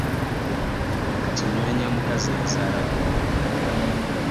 Kati nnoonya mukazi yazaalako.